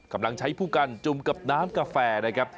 กำลังใช้ผู้กันจุ่มกับน้ำกาแฟนะครับ